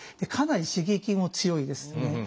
かなり刺激も強いですね。